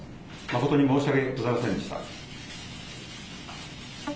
誠に申し訳ございませんでした。